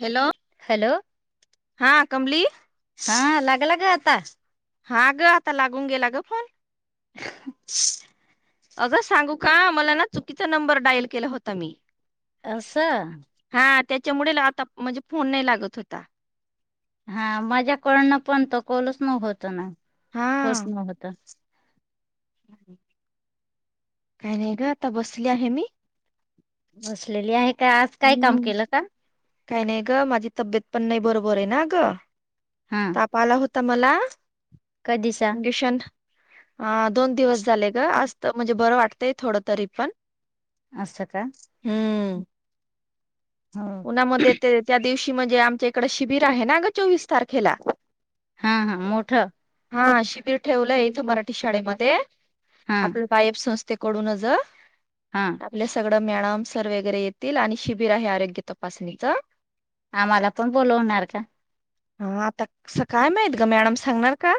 Hello hello हा कमली हा लागला, गंआता. हा ग आता लागून गेला ग फोन अगं सांगू का मला ना चुकीचा नंबर डायल केला होता मी असं हा त्याच्यामुळे आता म्हणजे फोन नाही लागत होता. हा माझ्याकडून पण तो कॉलच, नही, होत, ना, हा खरचं, नाही होत काही नाही ग आता बसली, आहे, मी. बसलेली आहे का आज काय काम केलं का. काही नाही ग माझी तब्येत पण नाही बरोबर ना ग. हा ताप आला, होता, मला कधीचा पेशंट हा, दोन दिवस झालय ग, म्हणजे बरं वाटतंय थोडं तरी पण. अस का? हम्म हो उन्हामध्ये ते त्या दिवशी म्हणजे आमच्या इकडं शिबिर आहे ना ग चोवीस तारखेला? हा हा मोठं. हा शिबिर ठेवलं इथं मराठी शाळेमध्ये हा आपलं वायब संस्थेकडूनच हां. आपल सगळं मॅळम, सर वगैरे येतील आणि शिबिर आहे आरोग्य तपासणीच. आम्हाला पण बोलवणार का. हा आता स काय माहत ग? मॅडम सांगणार का?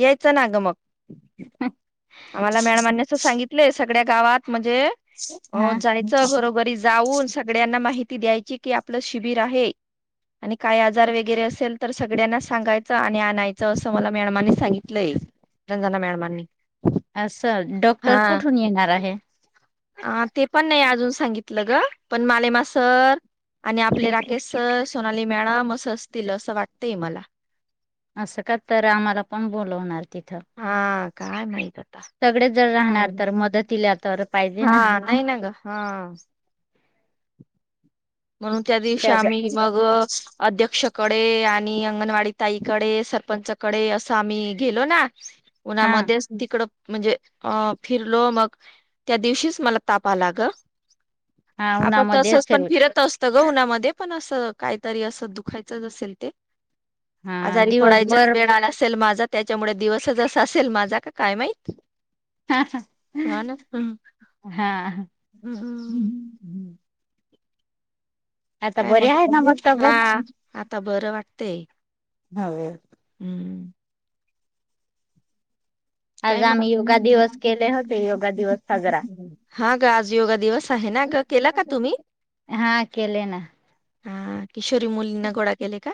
यायचं ना ग मग. आम्हाला मॅडमानी स सांगितले सगळ्या गावात म्हणजे हो हा जायचं घरोघरी जाऊन सगळ्यांना माहिती द्यायची कि आपलं शिबिर आहे. आणि काय आजार वगैरे असेल तर सगळ्यांना सांगायचं आणि आणायचं असं मला मॅडमानी सांगितलंय. रंजना मॅडमांनी. असल डॉक्टर हा कुठून येणार आहे? अ ते पण नाही अजून सांगितलं ग? पण माले मा सर आणि आपले राकेश सर, सोनाली मॅडम असं असतील असं वाटतंय मला. असं का तर आम्हाला पण बोलवणार तिथं हा, काय माहित? - सगळे जर राहणार तर मदतीला तर पाहिजे हा ना नाही ना ग? हा म्हणून त्या दिवशी आम्ही मग अध्यक्षकडे आणि अंगणवाडी ताईकडे, सरपंचकडे असं आम्ही गेलो ना? हा उन्हामध्येच तिकडं म्हणजे अ फिरलो मग त्या दिवशीच मला ताप आला ग हा आपण उन्हामध्ये तसच पण असेल फिरत असतं ग उन्हामध्ये पण असं काहीतरी असं दुखायचंच असेल ते. हा आजारी पडायचाच दिवसभर वेळ आला असेल माझा त्याच्यामुळे दिवस जस असेल माझा का काय माहित? हा हा ना? हा हम्म. आता काय बरी मग आहे ना बबले? तब्येत? हा, आता बरं वाटतय हा वे. हम्म. आज काय मग? आम्ही योगा दिवस केले होते योगा दिवस साजरा हा ग आज योगा दिवस आहे ना गं? केला का तुम्ही? हा केले ना. हा किशोरी मुलींना गोडा केेले का?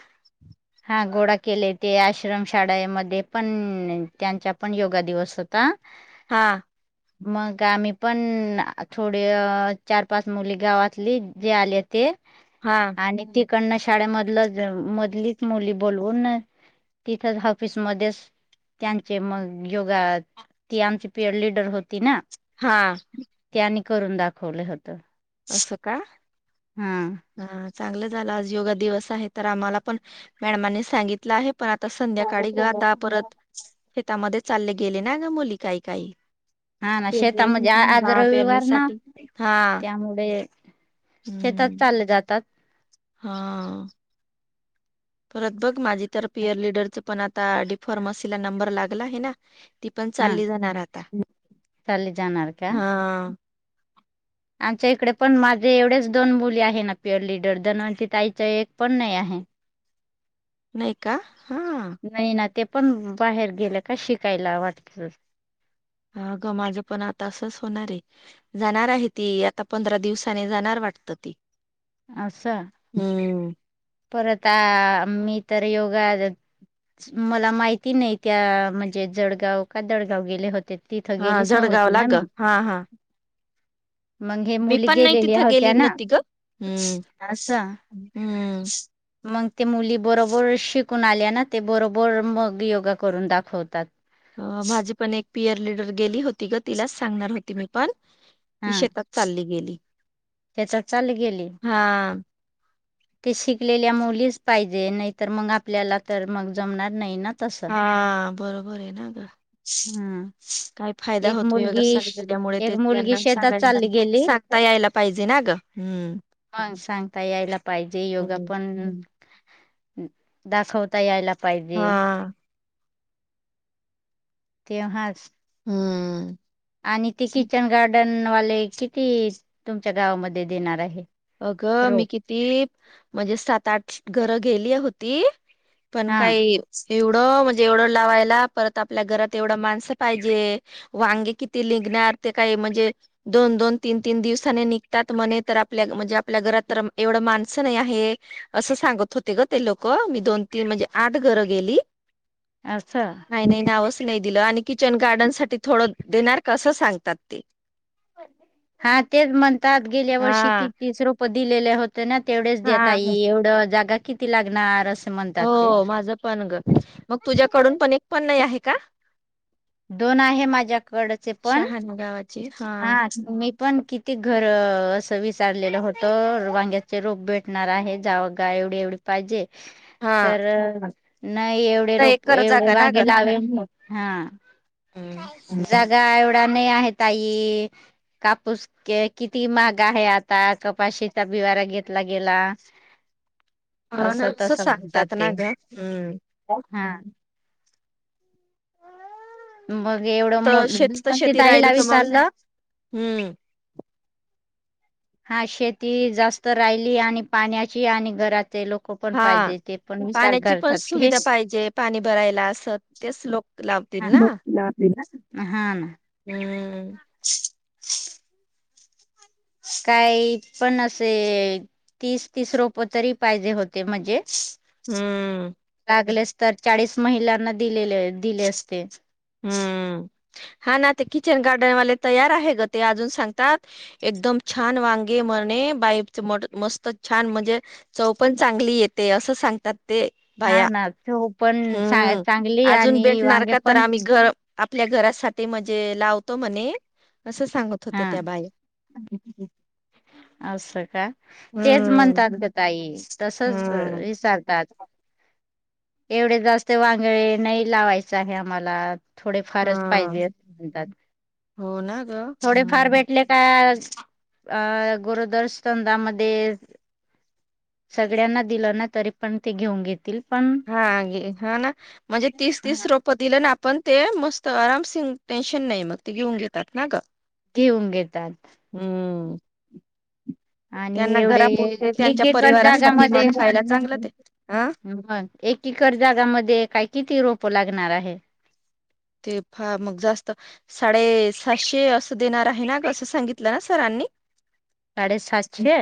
हा गोडा केले, ते आश्रमशाळेमध्ये पण त्यांचा पण योगा दिवस होता हा. मग आम्ही पण थोडे चार पाच मुली गावातली जे आले ते हा. आणि तीकडन शाळेमधलं, मधली मुली बोलवून तिथेच ऑफिस मध्येच त्यांचे मग योगा ती आमची पीयर लीडर होती ना? हा. त्यांनी करून दाखवलं होत. अस का? हा चांगलं झालं आज योगा दिवस आहे तर आम्हाला पण मॅडमांनी सांगितलं आहे पण आता संध्याकाळी ग द परत शेतामध्ये चालले गेले ना ग मुली काही काही. हा ना परणी शेतामध्ये हा पेरणीसाठी हा त्यामुडे हं शेतात चालले जातात. हां परत बघ माझी तर पियर लीडरच पण आता डीफार्मसीला नंबर लागला आहे ना. ती पण हा चालली जाणाराय आता. चालले जाणार का हा आमच्या इकडे पण माझे एवढेच दोन मुली आहे ना पियर लीडर धनवंती ताईच्या एक पण नाही आहे. नाही का हा. नाही ना ते पण बाहेर गेले का शिकायला वाटतं. हा अगं माझं पण आता असंच होणार आहे. जाणार आहे ती आता पंधरा दिवसाने जाणार वाटतं ती. असं हम्म. परत आ मी तर योगा मला माहिती नाही त्या म्हणजे जळगाव का दडगाव गेले होते तिथं हा गेलीच नव्हती जळगावला ना ग मी. हा हा मंग हे मी मुली पण नाही गेलेली तिथं गेली होत्या ना नव्हती ग हम्म असं. हम्म. मग ते मुली बरोबर शिकून आल्या ना ते बरोबर मग योगा करून दाखवतात. अ माझी पण एक पीयर लीडर गेली होती ग तिलाच सांगणार होती मी पण ती हा शेतात चालली गेली. त्याच्यात चाल गेली. हा ते शिकलेल्या मुलीचं पाहिजे नाहीतर मंग आपल्याला तर मंग जमणार नाही ना तसं हा बरोबर आहे ना ग हम्म काय फायदा एक होतो मुलगी योगासन केल्यामुळे एक ते मुलगी त्यांना शेतात सांगाय चालली गेली. सांगता यायला पाहिजे ना गं. हम्म. ह सांगता यायला पाहिजे योगा हम्म. पण दाखवता यायला पाहिजे. हा तेव्हाच. हम्म. आणि ते किचन गार्डन वाले किती तुमच्या गावामध्ये देणार आहे. अगं मी रोप किती म्हणजे सात-आठ घरं गेली होती पण हा काही एवढं म्हणजे एवढं लावायला परत आपल्या घरात एवढं माणसं पाहिजे. वांगी किती लिघणार ते काय म्हणजे दोन-दोन तीन- तीन दिवसाने निघतात म्हणे तर आ आपल्या म्हणजे आपल्या घरात तर एवढं माणसं नाही आहे. असं सांगत होते गं ते लोक मी दोन तीन म्हणजे आठ घरं गेली. असं नाही नाही नावच नाही दिलं आणि किचन गार्डन साठी थोडं देणार का असं सांगतात ते. हा तेच म्हणतात गेल्या वर्षी हा ती तीस रोपं दिलेले होत तं ना तेवढेच दया हा ताई एवढं जागा किती लागणार? असं म्हणतात ते हो माझं पण ग मग तुझ्याकडून पण एक पण नाही आहे का? दोन आहे माझ्याकडचे पण शहाण गावाची हा. मी पण किती घर असं विचारलेलं होतं वांग्याचे रोपबेट, णार आहे जाव गाय एवढी एवढी पाहिजे. हा तर नाही एवढे तर रोप एकर एवढे वागे लावे हा. हम. जागा एवढा नाही आहे ताई. कापूस किती महाग आहे आता कपाशीचा बिवारा घेतला गेला. अ असं नसकच तसं म्हणतात सांगतात ना ते गं हम्. हा. मग एवढं मो तर मी शेती तर पण ते शेती राहिली ताईला का मग विचारलं. हम्म. हा शेती जास्त राहिली आणि पाण्याची आणि घराचे लोक. पण हा पाहिजे ते पण विचार पाण्याची पण करतात ते सुविधा पाहिजे पाणी भरायला असत तेच लोक. लावतील हा ना ना. हम् काही पण असे, तीस तीस रोप तरी पाहिजे होते म्हणजे, हम्म लागलेस तर चाळीस महिलांना दिलेले दिले असते. [unintelligible] हम्म हा ना ते किचन गार्डन वाले तयार आहे गं ते अजून सांगतात, एकदम छान वांगे म्हरणे बाईच मस्तच छान म्हणजे, चव पण चांगली येते असं सांगतात. ते हा भाया ना तो पण हम् चांगली अजून आणि भेटणार वांगे का तर पण आम्ही, तर आपल्या घरासाठी म्हणजे लावतो म्हणे असं सांग हा असं का. तेच हम्म म्हणतात गं, ताई तसच हम्म विसारतात. एवढे जास्त वांगळे नाही लावायंच आहे आम्हाला. थोडे हा फारच पाहिजे असं म्हणतात. हो ना ग. थोडे फार हम्म भेटले‍, काय आज गरोदरसंधामध्ये, सगळ्यांना दिलं ना तरी पण ते घेऊन घेतील. पण हा गे हा ना म्हणजे तीस तीस रोप पतीलं ना आपण ते मस्त आराम सि टेन्शन नाही मग ते घेऊन घेतात ना गप्प. ठेऊन घेतात. हम्म आणि त्यांना एवढे घरापुरते एक त्यांच्या एकर परिवारासाठी जागामध्ये मग खायला [inaudible] चांगलं ते. अ एक एक्कर जागामध्ये काय किती रोप लागणार आहे? ते फार मग जास्त, साडे साहशे असं देणार आहे नां गं असं सांगितलं ना सरांनी? साडेसातशे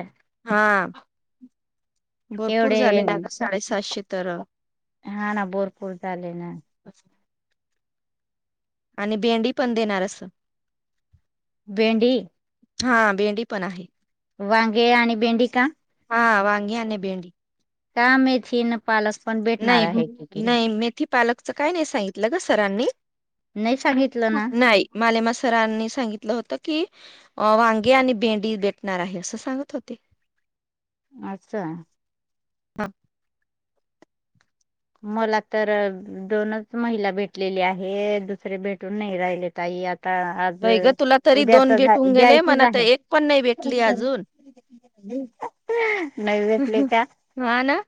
हा भरपूर एवढे झाले आ साडेसाहशे तर. हा ना भोरपूरते‌ आले ना. आणि भेंडी पण देणार असं, भेंडी? हा भेंडी पण आहे. वांगे आणि भेंडिका? हा वांगी आणि भेंडी. का मेथी आणि पालक पण भेटणार आहे की तिला. ते पालकच काय नाही सांगितलं ग सरांनी, नाही सांगितलं ना नाही. मालेमा सरांनी सांगितलं होतं की, अ वांगे आणि भेंडी भेटणार आहे असं सांगत होते. अच्छा [unintelligible] मला तर दोनच महिला भेटलेली आहे, दुसरे भेटून नाही राहिले ताई यात. आता आज बाई ग तुला तरी उद्या दोन तर भेटून गेले द्यायचीच मला तर आहे, एक पण नाही भेटली कोणाचं टारगेट. अजून नाही भेटले का. हा ना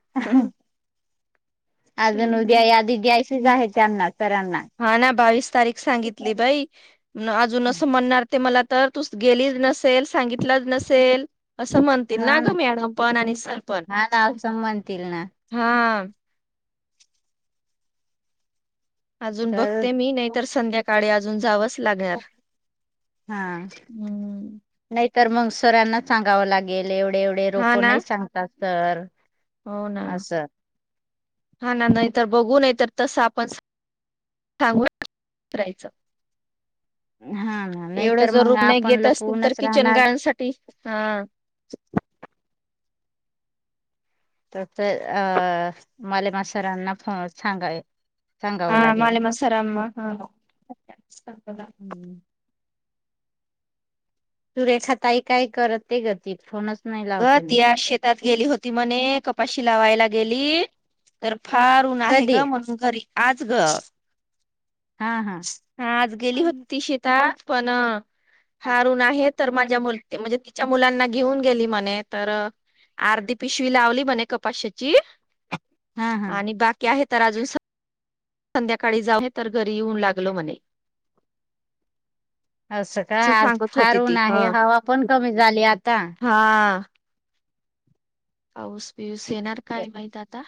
अजून हम्म. उद्या यादी द्यायचीच आहे त्यांना सरांना. हा, ना. बावीस तारीख सांगितली बाई. म अजून असं म्हणणार ते मला तर तू गेलीच नसेल, सांगितलंच नसेल असं म्हणतील ना, ग मॅडम पण आणि सर पण. हा ना असं म्हणतील ना हा... अजून तर बघते मी नाहीतर संध्याकाळी अजून जावंच लागणार. हा... ह... नाहीतर मग सरांना सांगावं लागेल एवढे-एवढे हा रोपो ना नाही सांगतात सर. हो, ना. असं हा, ना. नाही तर बघू नई तर तस आपण सांगून राहयचं. हा ना एवढं नाहीतर जर मग रुप नाही आपण घेत असतील तर लपवूनच किचन राहणार गान सा टी. हां... तर ते अ मले मास्तरांना फ सांगाय हा मालेमसारम हा [unintelligible] सुरेखा ताई काय करते ग ती फोनच नाही ग लावते ना. ती आज शेतात गेली होती म्हणे, कपाशी लावायला गेली तर फार ऊन आहे ग कधी म्हणून घरी आज ग हा आज गेली होती शेतात. पण फार ऊन आहे तर माझ्या मु म्हणजे तिच्या मुलांना घेऊन गेली मला ने तर अर्धी पिशवी लावली म्हणे कपाशीची हा हा आणि बाकी आहे तर अजून स संध्याकाळी जाऊन ये, तर घरी येऊन लागलो म्हणे. असं का, आज सांगत फार होती ऊन ती आहे, ह हवा पण कमी झाली आता. हा... पाऊस-पिऊस येणार काय माहित आता.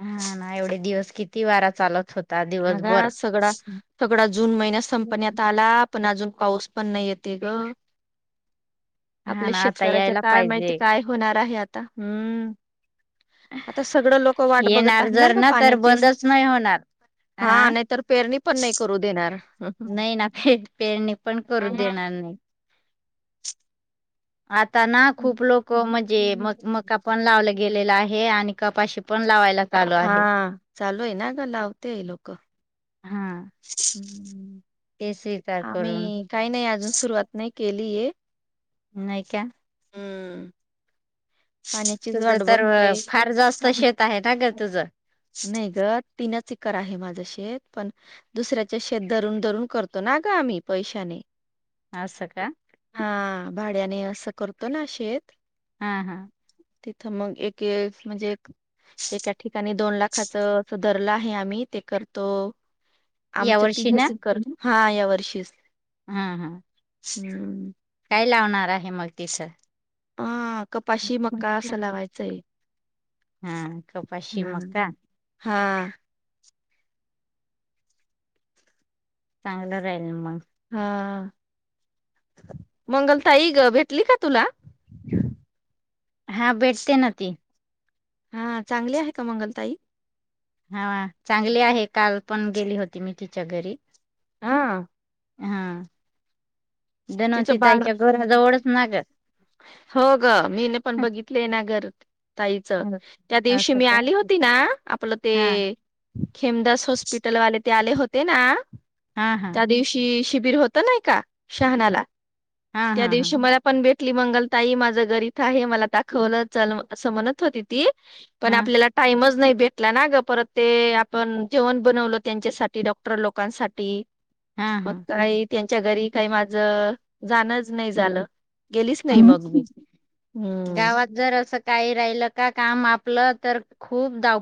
हा, ना. एवढे दिवस किती वारा चालत होत- हगा सगळा सगळा जून महिन्यात संपण्यात आला, पण अजून पाऊस पण नाही येते गं. हा आपल्या ना आता शेतकऱ्याचं यायला काय माहिती, पाहिजे. काय होणार आहे आता. ह... आता सगळं लोकं वाट बघत येणार आहेत ना जर ग तर पाण्याचीस. बंदच नाही होणार. हा, पेरणी पण नाही करू देणार नाही ना. पिठ पेरणी पण करू हम्म. देणार नाहीत. आता ना खूप लोकं म्हणजे मग मग मका पण लावला गेलेला आहे आणि कपाशी पण लावाय लागते. हा चालूय ना ग आवते हे लोक हा ते स्वीकार करून आम्ही काही नाय अजून सुरुवात नाही केलीय नाही का हम पाण्याचीच तुझं वाट तर अ, बघतोय फार जास्त शेत आहे ना ग तुझं [inaudible] नाही ग तिनच एकर आहे माझं शेत पण दुसऱ्याच शेत धरून धरुून करतो ना ग आम्ही पैशाने आस का हा भाड्याने असं करतो ना शेत हा हा तिथं मग एक एक म्हणजे एका ठिकाणी दोन लाखाच धरल आहे आम्ही ते करतो या आमच्या वर्षी ना तीनच एकर हा या वर्षीच हा हा हम्म. काय लावणार आहे मग ति [inaudible] अ कपाशी मका असं लावायचं हाय हा कपाशी मका हा चांगलं राहील मग हा मंगलताई ग भेटली का तुला हा भेटते ना ती हा चांगली आहे का मंगलताई हा व चांगली आहे काल पण गेली होती मी तिच्या घरी हा हा जणवंती तिचं बाळ ताईच्या घरणं जवळच ना ग हो ग मीन पण बघितलय ना घर ताईच त्या दिवशी असं मी का आली होती ना आपलं ते हा खेमदास हॉस्पिटलवाले ते आले होते ना हा हा त्या दिवशी शिबिर होत होत नाही का शहानाला हा त्या हा हा दिवशी मला पण भेटली मंगलताई माझं घर इथं आहे मला दाखवलं चल असं म्हणत होती ती पण पण हा आपल्याला टाईमच नाही भेटला ना ग परत ते आपण जेवण बनवलं त्यांच्या साठी डॉक्टर लोकांसाठी हा मग हा. काही त्यांच्या घरी काही माझ जाणंच नाही झालं गेलीच हा. नाही मग मी हम गावात जर असं काही राहिल का काम आपलं तर खूप धावपळ